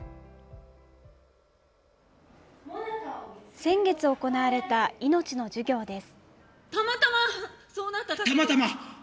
先月行われた命の授業です。